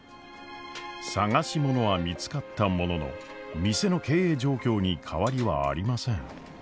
捜し物は見つかったものの店の経営状況に変わりはありません。